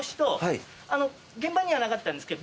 現場にはなかったんですけど。